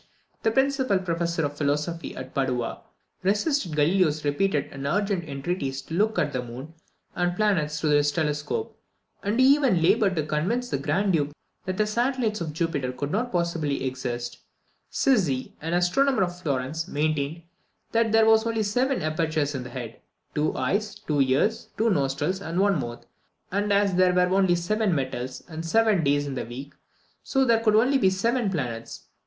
The principal professor of philosophy at Padua resisted Galileo's repeated and urgent entreaties to look at the moon and planets through his telescope; and he even laboured to convince the Grand Duke that the satellites of Jupiter could not possibly exist. Sizzi, an astronomer of Florence, maintained that as there were only seven apertures in the head two eyes, two ears, two nostrils, and one mouth and as there were only seven metals, and seven days in the week, so there could be only seven planets.